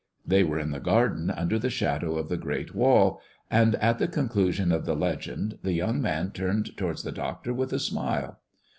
They were in the garden under the shadow of the THE dwarf's chamber 39 great wall, and at the conclusion of the legend the .young man turned towards the doctor with a smile.